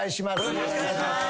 よろしくお願いします。